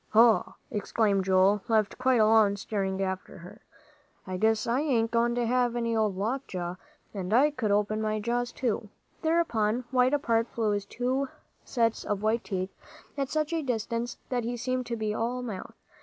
"Huh!" exclaimed Joel, left quite alone staring after her. "I guess I ain't going to have any old lockjaw. And I could open my jaws, too." Thereupon wide apart flew his two sets of white teeth, at such a distance that he seemed to be all mouth.